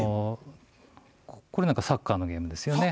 これなんかサッカーのゲームですよね。